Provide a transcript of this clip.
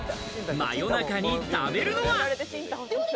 夜中に食べるのは？